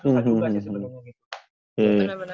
susah juga sih sebenarnya